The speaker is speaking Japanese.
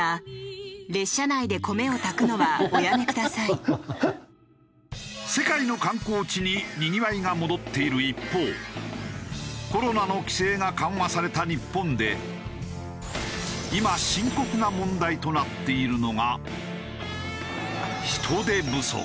これに世界の観光地ににぎわいが戻っている一方コロナの規制が緩和された日本で今深刻な問題となっているのが。